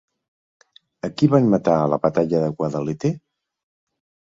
A qui van matar a la batalla de Guadalete?